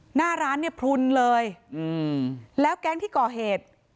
หน้าร้านเนี่ยพลุนเลยอืมแล้วแก๊งที่ก่อเหตุ